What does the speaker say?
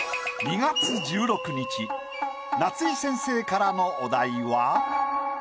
夏井先生からのお題は。